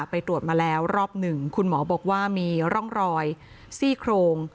ไปตรวจมาแล้วรอบหนึ่งคุณหมอบอกว่ามีร่องรอยซี่โครง